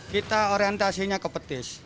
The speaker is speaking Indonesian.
kita orientasinya ke petis